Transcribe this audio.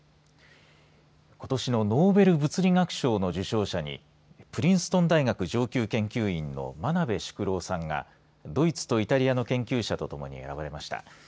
ことしのノーベル物理学賞の受賞者にプリンストン大学上級研究員の真鍋淑郎さんがドイツとイタリアの研究者とともに選ばれました。